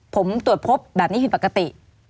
ผมตรวจพบเห็นแบบนี้พิปรกติ